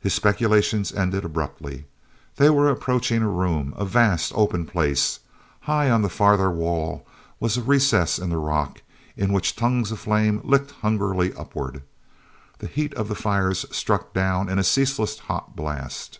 His speculations ended abruptly. They were approaching a room, a vast open place. High on the farther wall was a recess in the rock in which tongues of flame licked hungrily upward. The heat of the fires struck down in a ceaseless hot blast.